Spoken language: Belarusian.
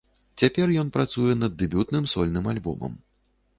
Цяпер ён працуе над дэбютным сольным альбомам.